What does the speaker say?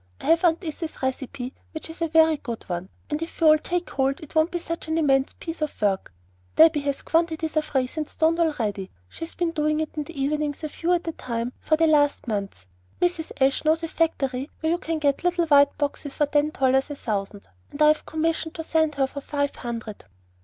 I have Aunt Izzy's recipe, which is a very good one; and if we all take hold, it won't be such an immense piece of work. Debby has quantities of raisins stoned already. She has been doing them in the evenings a few at a time for the last month. Mrs. Ashe knows a factory where you can get the little white boxes for ten dollars a thousand, and I have commissioned her to send for five hundred."